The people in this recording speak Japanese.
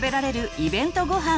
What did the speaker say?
イベントごはん」。